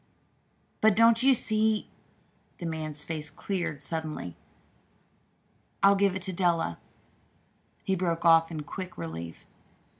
"But, don't you see " the man's face cleared suddenly. "I'll give it to Della," he broke off in quick relief.